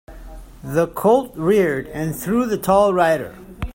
The colt reared and threw the tall rider.